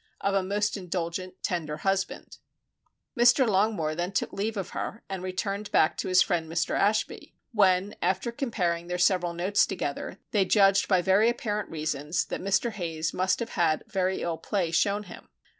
of a most indulgent, tender husband. Mr. Longmore then took leave of her and returned back to his friend Mr. Ashby; when, after comparing their several notes together, they judged by very apparent reasons that Mr. Hayes must have had very ill play shown him.